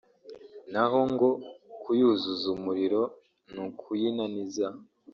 naho ngo kuyuzuza umuriro ni ukuyinaniza